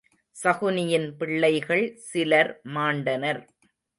சகுனியின் பிள்ளைகள் சிலர் மாண்டனர்.